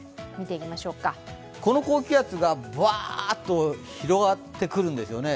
この高気圧が、ぶわーっと広がってくるんですよね。